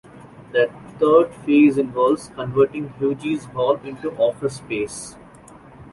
The third phase involves converting Hughes Hall into office space.